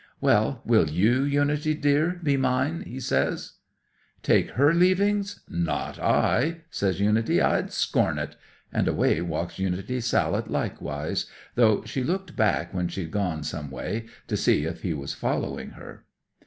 '"Well, will you, Unity dear, be mine?" he says. '"Take her leavings? Not I!" says Unity. "I'd scorn it!" And away walks Unity Sallet likewise, though she looked back when she'd gone some way, to see if he was following her.